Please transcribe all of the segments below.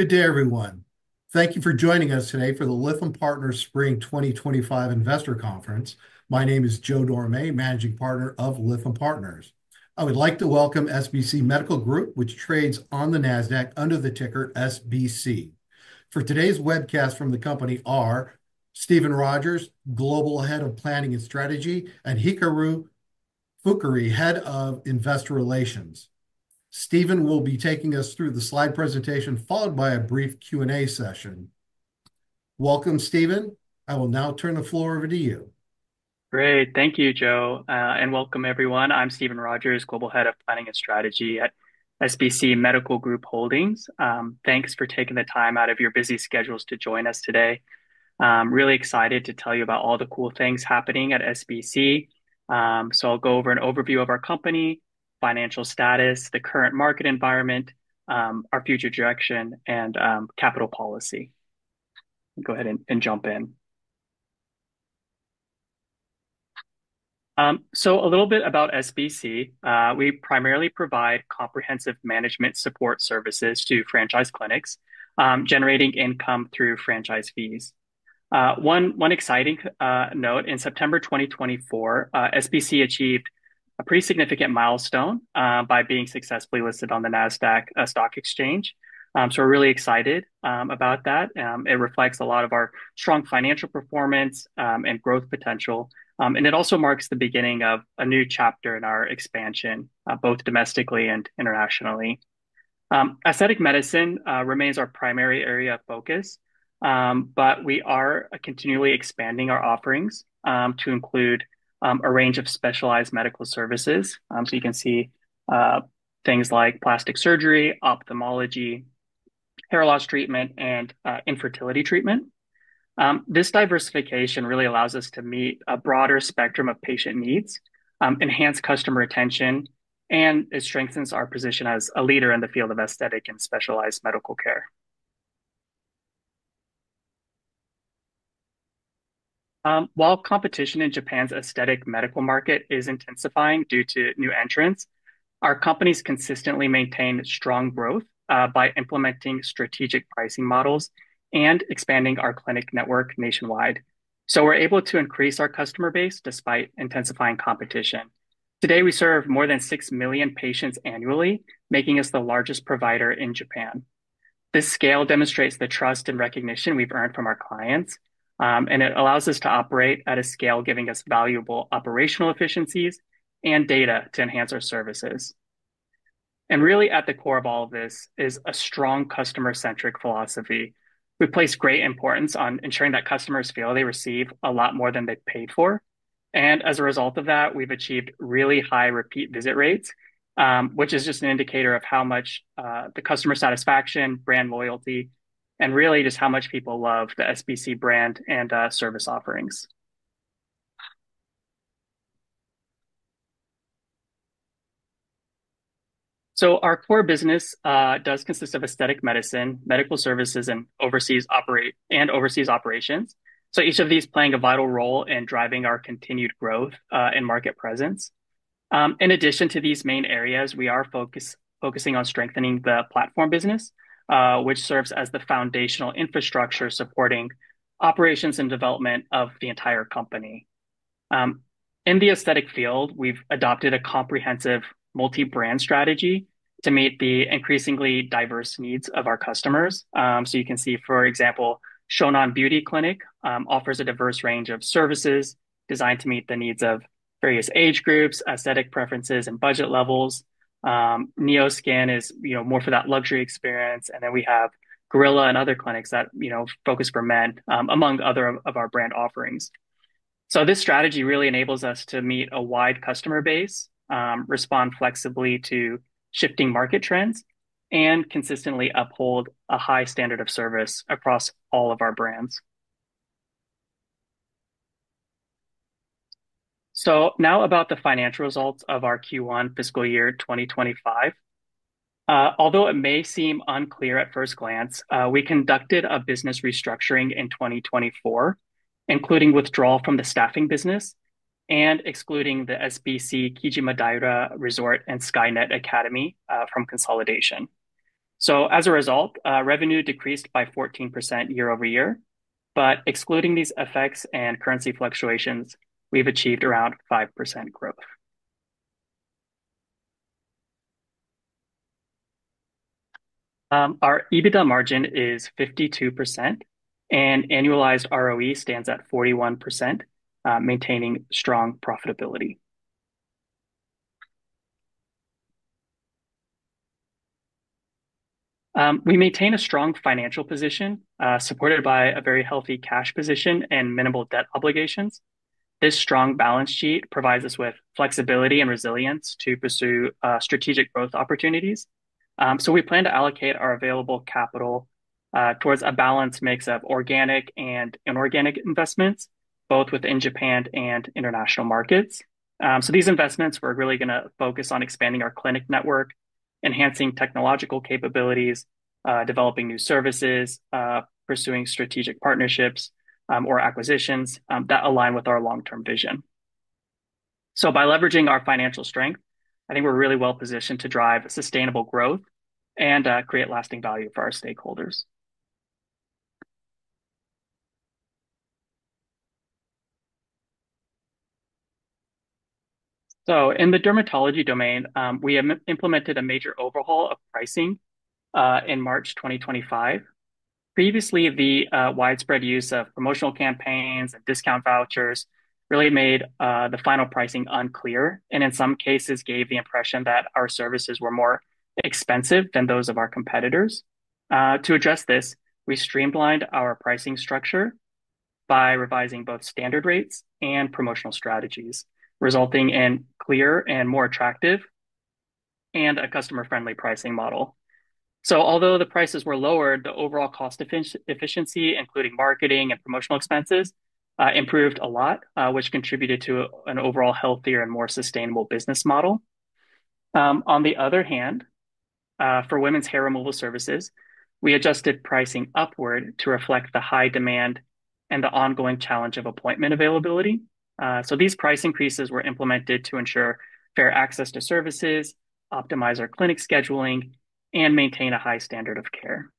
Good day, everyone. Thank you for joining us today for the Lithium Partners Spring 2025 investor conference. My name is Joe Dormey, Managing Partner of Lithium Partners. I would like to welcome SBC Medical Group, which trades on the NASDAQ under the ticker SBC. For today's webcast from the company are Stephen Rogers, Global Head of Planning and Strategy, and Hikaru Fukui, Head of Investor Relations. Stephen will be taking us through the slide presentation, followed by a brief Q&A session. Welcome, Stephen. I will now turn the floor over to you. Great. Thank you, Joe, and welcome, everyone. I'm Stephen Rogers, Global Head of Planning and Strategy at SBC Medical Group Holdings. Thanks for taking the time out of your busy schedules to join us today. I'm really excited to tell you about all the cool things happening at SBC. I'll go over an overview of our company, financial status, the current market environment, our future direction, and capital policy. Go ahead and jump in. A little bit about SBC. We primarily provide comprehensive management support services to franchise clinics, generating income through franchise fees. One exciting note: in September 2024, SBC achieved a pretty significant milestone by being successfully listed on the NASDAQ stock exchange. We're really excited about that. It reflects a lot of our strong financial performance and growth potential. It also marks the beginning of a new chapter in our expansion, both domestically and internationally. Aesthetic medicine remains our primary area of focus, but we are continually expanding our offerings to include a range of specialized medical services. You can see things like plastic surgery, ophthalmology, hair loss treatment, and infertility treatment. This diversification really allows us to meet a broader spectrum of patient needs, enhance customer retention, and it strengthens our position as a leader in the field of aesthetic and specialized medical care. While competition in Japan's aesthetic medical market is intensifying due to new entrants, our companies consistently maintain strong growth by implementing strategic pricing models and expanding our clinic network nationwide. We are able to increase our customer base despite intensifying competition. Today, we serve more than 6 million patients annually, making us the largest provider in Japan. This scale demonstrates the trust and recognition we've earned from our clients, and it allows us to operate at a scale giving us valuable operational efficiencies and data to enhance our services. Really, at the core of all of this is a strong customer-centric philosophy. We place great importance on ensuring that customers feel they receive a lot more than they paid for. As a result of that, we've achieved really high repeat visit rates, which is just an indicator of how much the customer satisfaction, brand loyalty, and really just how much people love the SBC brand and service offerings. Our core business does consist of aesthetic medicine, medical services, and overseas operations. Each of these is playing a vital role in driving our continued growth and market presence. In addition to these main areas, we are focusing on strengthening the platform business, which serves as the foundational infrastructure supporting operations and development of the entire company. In the aesthetic field, we've adopted a comprehensive multi-brand strategy to meet the increasingly diverse needs of our customers. You can see, for example, Shonan Beauty Clinic offers a diverse range of services designed to meet the needs of various age groups, aesthetic preferences, and budget levels. NeoSkin is more for that luxury experience. We have Gorilla and other clinics that focus for men, among other of our brand offerings. This strategy really enables us to meet a wide customer base, respond flexibly to shifting market trends, and consistently uphold a high standard of service across all of our brands. Now about the financial results of our Q1 fiscal year 2025. Although it may seem unclear at first glance, we conducted a business restructuring in 2024, including withdrawal from the staffing business and excluding the SBC Kijimadaira Resort and Skynet Academy from consolidation. As a result, revenue decreased by 14% year-over-year. Excluding these effects and currency fluctuations, we've achieved around 5% growth. Our EBITDA margin is 52%, and annualized ROE stands at 41%, maintaining strong profitability. We maintain a strong financial position supported by a very healthy cash position and minimal debt obligations. This strong balance sheet provides us with flexibility and resilience to pursue strategic growth opportunities. We plan to allocate our available capital towards a balanced mix of organic and inorganic investments, both within Japan and international markets. These investments, we're really going to focus on expanding our clinic network, enhancing technological capabilities, developing new services, pursuing strategic partnerships or acquisitions that align with our long-term vision. By leveraging our financial strength, I think we're really well positioned to drive sustainable growth and create lasting value for our stakeholders. In the dermatology domain, we have implemented a major overhaul of pricing in March 2025. Previously, the widespread use of promotional campaigns and discount vouchers really made the final pricing unclear and in some cases gave the impression that our services were more expensive than those of our competitors. To address this, we streamlined our pricing structure by revising both standard rates and promotional strategies, resulting in clearer and more attractive and a customer-friendly pricing model. Although the prices were lower, the overall cost efficiency, including marketing and promotional expenses, improved a lot, which contributed to an overall healthier and more sustainable business model. On the other hand, for women's hair removal services, we adjusted pricing upward to reflect the high demand and the ongoing challenge of appointment availability. These price increases were implemented to ensure fair access to services, optimize our clinic scheduling, and maintain a high standard of care.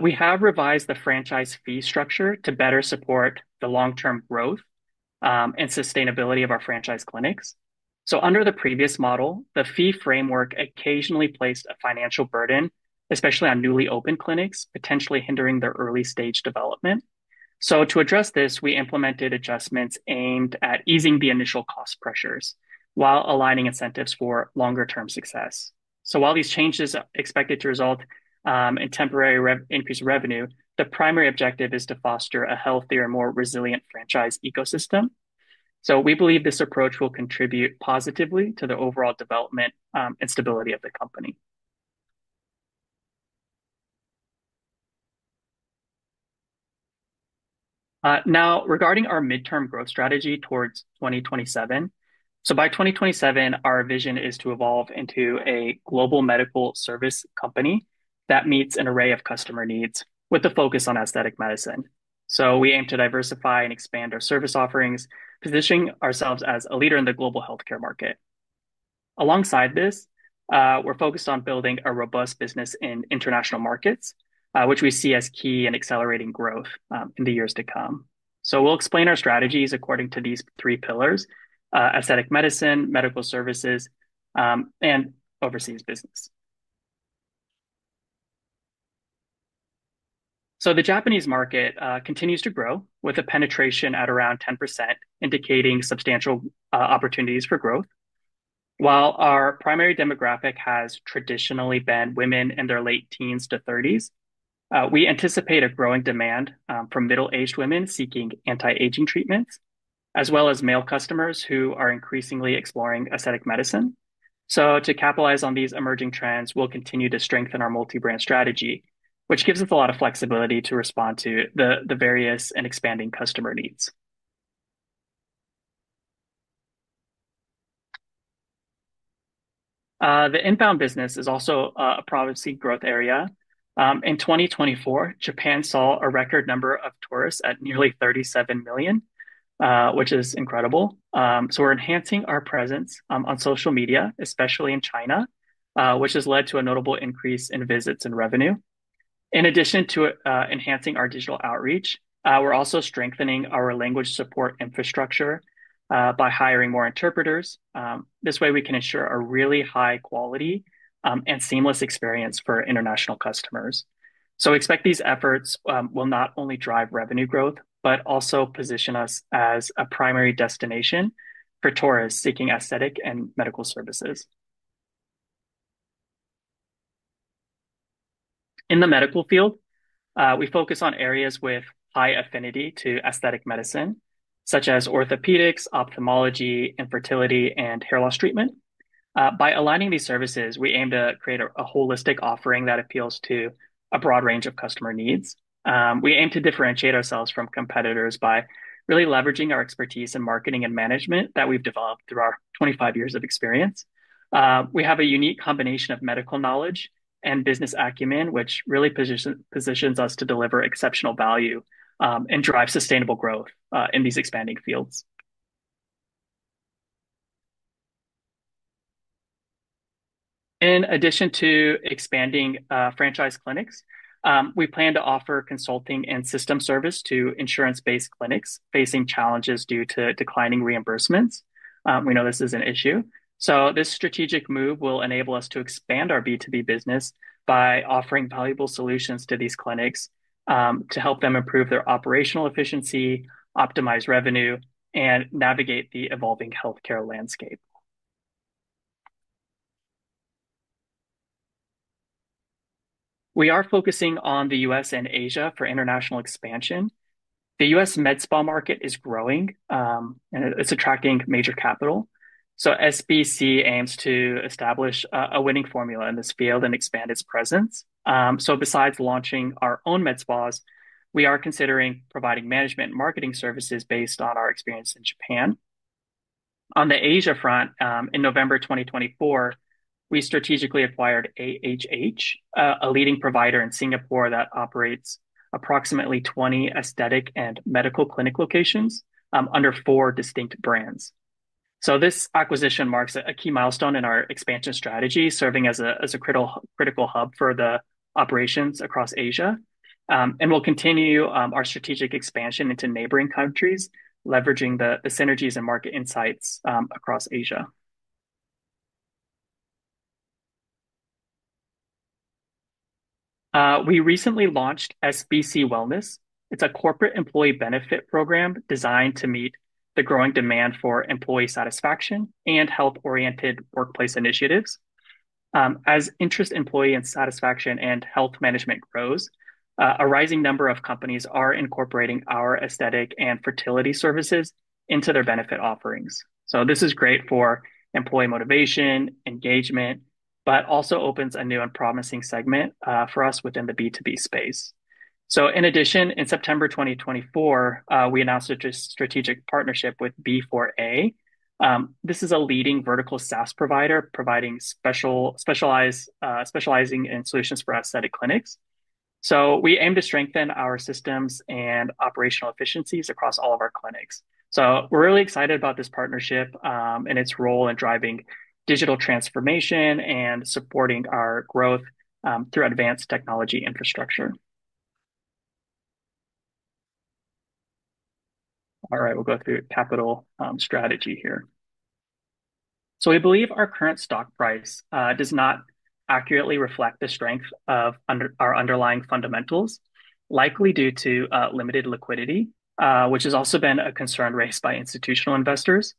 We have revised the franchise fee structure to better support the long-term growth and sustainability of our franchise clinics. Under the previous model, the fee framework occasionally placed a financial burden, especially on newly opened clinics, potentially hindering their early-stage development. To address this, we implemented adjustments aimed at easing the initial cost pressures while aligning incentives for longer-term success. While these changes are expected to result in temporary increased revenue, the primary objective is to foster a healthier, more resilient franchise ecosystem. We believe this approach will contribute positively to the overall development and stability of the company. Now, regarding our midterm growth strategy towards 2027, by 2027, our vision is to evolve into a global medical service company that meets an array of customer needs with a focus on aesthetic medicine. We aim to diversify and expand our service offerings, positioning ourselves as a leader in the global healthcare market. Alongside this, we're focused on building a robust business in international markets, which we see as key in accelerating growth in the years to come. We'll explain our strategies according to these three pillars: aesthetic medicine, medical services, and overseas business. The Japanese market continues to grow with a penetration at around 10%, indicating substantial opportunities for growth. While our primary demographic has traditionally been women in their late teens to 30s, we anticipate a growing demand for middle-aged women seeking anti-aging treatments, as well as male customers who are increasingly exploring aesthetic medicine. To capitalize on these emerging trends, we'll continue to strengthen our multi-brand strategy, which gives us a lot of flexibility to respond to the various and expanding customer needs. The inbound business is also a promising growth area. In 2024, Japan saw a record number of tourists at nearly 37 million, which is incredible. We're enhancing our presence on social media, especially in China, which has led to a notable increase in visits and revenue. In addition to enhancing our digital outreach, we're also strengthening our language support infrastructure by hiring more interpreters. This way, we can ensure a really high quality and seamless experience for international customers. We expect these efforts will not only drive revenue growth, but also position us as a primary destination for tourists seeking aesthetic and medical services. In the medical field, we focus on areas with high affinity to aesthetic medicine, such as orthopedics, ophthalmology, infertility, and hair loss treatment. By aligning these services, we aim to create a holistic offering that appeals to a broad range of customer needs. We aim to differentiate ourselves from competitors by really leveraging our expertise in marketing and management that we've developed through our 25 years of experience. We have a unique combination of medical knowledge and business acumen, which really positions us to deliver exceptional value and drive sustainable growth in these expanding fields. In addition to expanding franchise clinics, we plan to offer consulting and system service to insurance-based clinics facing challenges due to declining reimbursements. We know this is an issue. This strategic move will enable us to expand our B2B business by offering valuable solutions to these clinics to help them improve their operational efficiency, optimize revenue, and navigate the evolving healthcare landscape. We are focusing on the U.S. and Asia for international expansion. The U.S. med spa market is growing, and it's attracting major capital. SBC aims to establish a winning formula in this field and expand its presence. Besides launching our own med spas, we are considering providing management and marketing services based on our experience in Japan. On the Asia front, in November 2024, we strategically acquired AHH, a leading provider in Singapore that operates approximately 20 aesthetic and medical clinic locations under four distinct brands. This acquisition marks a key milestone in our expansion strategy, serving as a critical hub for the operations across Asia. We will continue our strategic expansion into neighboring countries, leveraging the synergies and market insights across Asia. We recently launched SBC Wellness. It is a corporate employee benefit program designed to meet the growing demand for employee satisfaction and health-oriented workplace initiatives. As interest in employee satisfaction and health management grows, a rising number of companies are incorporating our aesthetic and fertility services into their benefit offerings. This is great for employee motivation and engagement, but also opens a new and promising segment for us within the B2B space. In addition, in September 2024, we announced a strategic partnership with B4A. This is a leading vertical SaaS provider specializing in solutions for aesthetic clinics. We aim to strengthen our systems and operational efficiencies across all of our clinics. We are really excited about this partnership and its role in driving digital transformation and supporting our growth through advanced technology infrastructure. All right, we will go through capital strategy here. We believe our current stock price does not accurately reflect the strength of our underlying fundamentals, likely due to limited liquidity, which has also been a concern raised by institutional investors.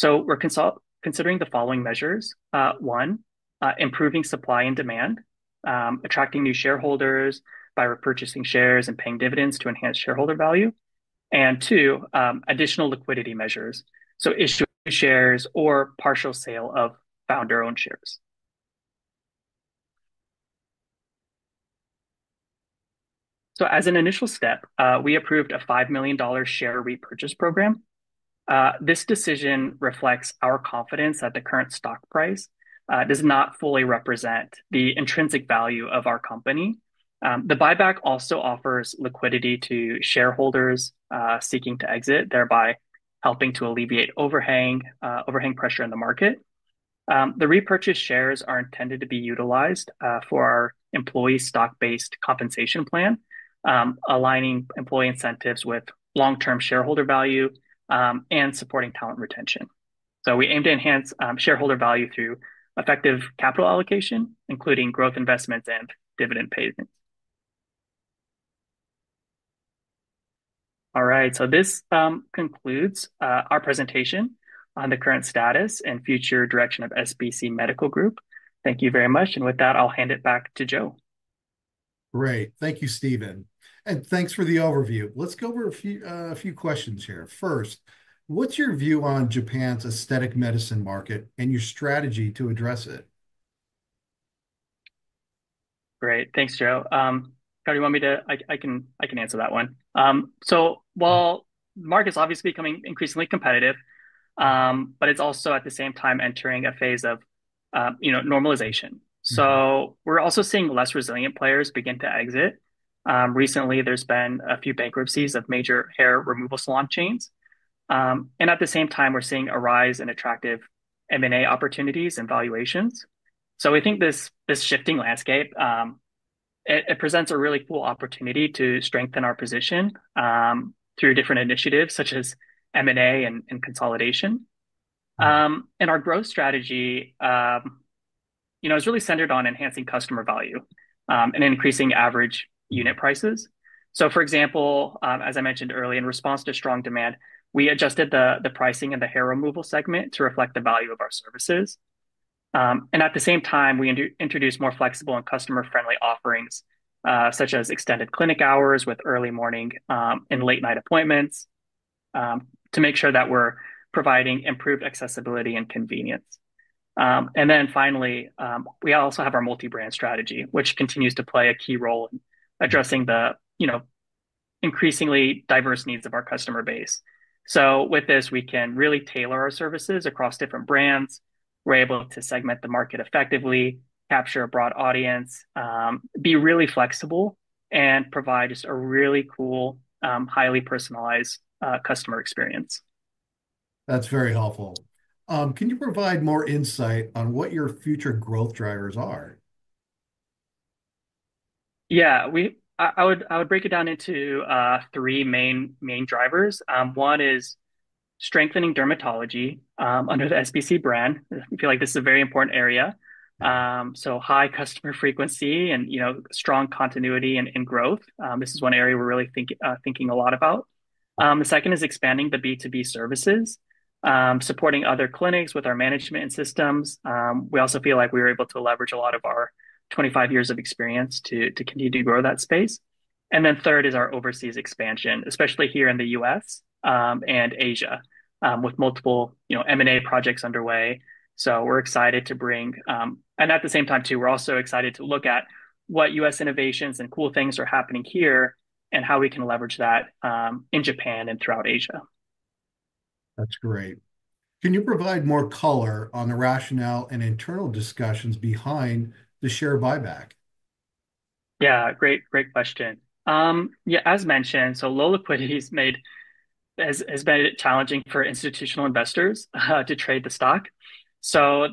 We are considering the following measures. One, improving supply and demand, attracting new shareholders by repurchasing shares and paying dividends to enhance shareholder value. Two, additional liquidity measures, issuing shares or partial sale of founder-owned shares. As an initial step, we approved a $5 million share repurchase program. This decision reflects our confidence that the current stock price does not fully represent the intrinsic value of our company. The buyback also offers liquidity to shareholders seeking to exit, thereby helping to alleviate overhang pressure in the market. The repurchased shares are intended to be utilized for our employee stock-based compensation plan, aligning employee incentives with long-term shareholder value and supporting talent retention. We aim to enhance shareholder value through effective capital allocation, including growth investments and dividend payments. All right, this concludes our presentation on the current status and future direction of SBC Medical Group. Thank you very much. With that, I'll hand it back to Joe. Great. Thank you, Stephen. Thanks for the overview. Let's go over a few questions here. First, what's your view on Japan's aesthetic medicine market and your strategy to address it? Great. Thanks, Joe. Do you want me to—I can answer that one. While the market's obviously becoming increasingly competitive, it's also at the same time entering a phase of normalization. We're also seeing less resilient players begin to exit. Recently, there's been a few bankruptcies of major hair removal salon chains. At the same time, we're seeing a rise in attractive M&A opportunities and valuations. We think this shifting landscape presents a really cool opportunity to strengthen our position through different initiatives such as M&A and consolidation. Our growth strategy is really centered on enhancing customer value and increasing average unit prices. For example, as I mentioned earlier, in response to strong demand, we adjusted the pricing in the hair removal segment to reflect the value of our services. At the same time, we introduced more flexible and customer-friendly offerings such as extended clinic hours with early morning and late-night appointments to make sure that we're providing improved accessibility and convenience. Finally, we also have our multi-brand strategy, which continues to play a key role in addressing the increasingly diverse needs of our customer base. With this, we can really tailor our services across different brands. We're able to segment the market effectively, capture a broad audience, be really flexible, and provide just a really cool, highly personalized customer experience. That's very helpful. Can you provide more insight on what your future growth drivers are? Yeah, I would break it down into three main drivers. One is strengthening dermatology under the SBC brand. I feel like this is a very important area. High customer frequency and strong continuity and growth. This is one area we're really thinking a lot about. The second is expanding the B2B services, supporting other clinics with our management and systems. We also feel like we were able to leverage a lot of our 25 years of experience to continue to grow that space. The third is our overseas expansion, especially here in the U.S. and Asia, with multiple M&A projects underway. We're excited to bring—and at the same time, too, we're also excited to look at what U.S. innovations and cool things are happening here and how we can leverage that in Japan and throughout Asia. That's great. Can you provide more color on the rationale and internal discussions behind the share buyback? Yeah, great question. Yeah, as mentioned, low liquidity has been challenging for institutional investors to trade the stock.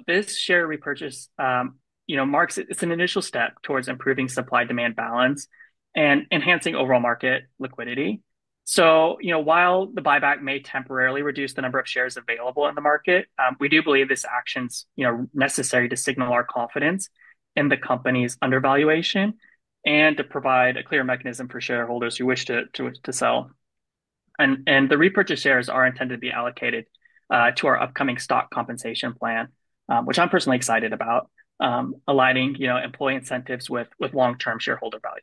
This share repurchase marks an initial step towards improving supply-demand balance and enhancing overall market liquidity. While the buyback may temporarily reduce the number of shares available in the market, we do believe this action is necessary to signal our confidence in the company's undervaluation and to provide a clear mechanism for shareholders who wish to sell. The repurchased shares are intended to be allocated to our upcoming stock compensation plan, which I'm personally excited about, aligning employee incentives with long-term shareholder value.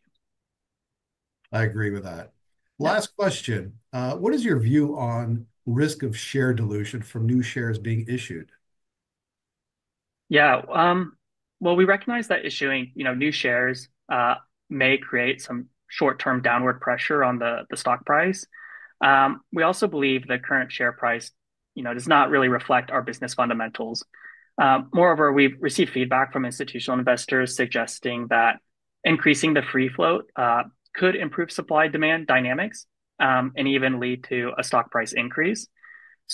I agree with that. Last question. What is your view on risk of share dilution from new shares being issued? Yeah. We recognize that issuing new shares may create some short-term downward pressure on the stock price. We also believe the current share price does not really reflect our business fundamentals. Moreover, we've received feedback from institutional investors suggesting that increasing the free float could improve supply-demand dynamics and even lead to a stock price increase.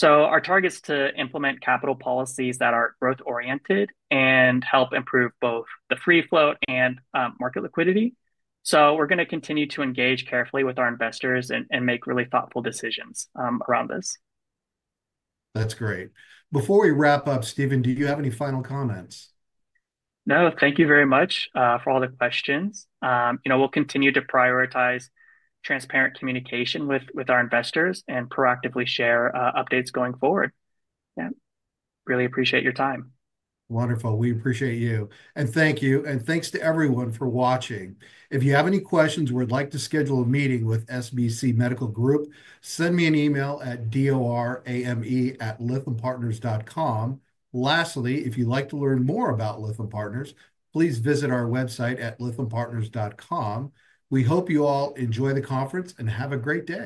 Our target is to implement capital policies that are growth-oriented and help improve both the free float and market liquidity. We're going to continue to engage carefully with our investors and make really thoughtful decisions around this. That's great. Before we wrap up, Stephen, do you have any final comments? No, thank you very much for all the questions. We'll continue to prioritize transparent communication with our investors and proactively share updates going forward. Yeah, really appreciate your time. Wonderful. We appreciate you. And thank you. And thanks to everyone for watching. If you have any questions or would like to schedule a meeting with SBC Medical Group, send me an email at doramey@lithiumpartners.com. Lastly, if you'd like to learn more about Lithium Partners, please visit our website at lithiumpartners.com. We hope you all enjoy the conference and have a great day.